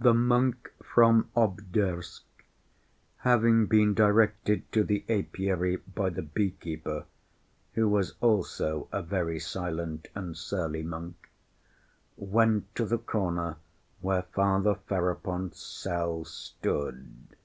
The monk from Obdorsk, having been directed to the apiary by the beekeeper, who was also a very silent and surly monk, went to the corner where Father Ferapont's cell stood.